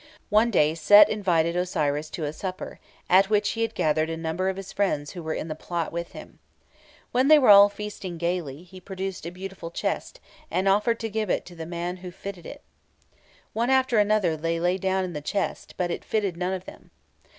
One day Set invited Osiris to a supper, at which he had gathered a number of his friends who were in the plot with him. When they were all feasting gaily, he produced a beautiful chest, and offered to give it to the man who fitted it. One after another they lay down in the chest, but it fitted none of them.